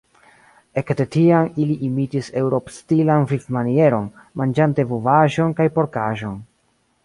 Ekde tiam ili imitis eŭropstilan vivmanieron, manĝante bovaĵon kaj porkaĵon.